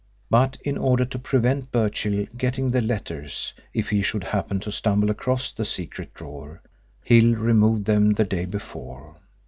But in order to prevent Birchill getting the letters if he should happen to stumble across the secret drawer, Hill removed them the day before.